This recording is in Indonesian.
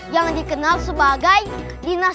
yang dikenal sebagai